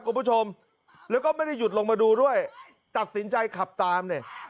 คุณผู้ชมแล้วก็ไม่ได้หยุดลงมาดูด้วยตัดสินใจขับตามเนี่ย